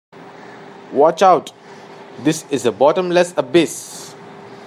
Watch out, this is a bottomless abyss!